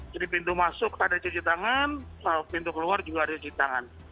jadi pintu masuk ada cuci tangan pintu keluar juga ada cuci tangan